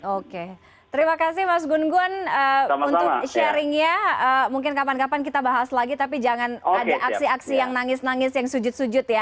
oke terima kasih mas gun gun untuk sharingnya mungkin kapan kapan kita bahas lagi tapi jangan ada aksi aksi yang nangis nangis yang sujud sujud ya